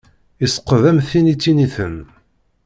Isqeḍ am tin ittiniten.